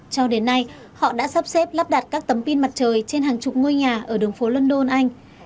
cho đến nay họ đã sắp xếp lắp đặt các tấm pin mặt trời trên hàng chục ngôi nhà ở đường phố london anh